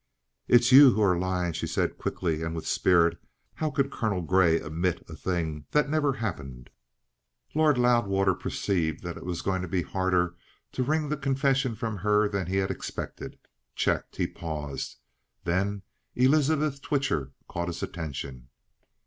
"It's you who are lying," she said quickly and with spirit. "How could Colonel Grey admit a thing that never happened?" Lord Loudwater perceived that it was going to be harder to wring the confession from her than he had expected. Checked, he paused. Then Elizabeth Twitcher caught his attention.